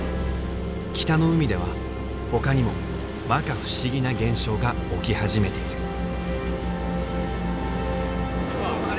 北の海ではほかにもまか不思議な現象が起き始めている。